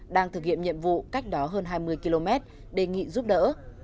đang thực hiện nhiệm vụ cách đó hơn hai mươi km đề nghị giúp đỡ